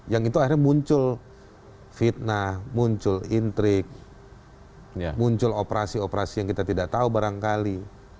yang itu akhirnya muncul fitnah muncul intrik muncul operasi operasi yang kita tidak tahu barangkali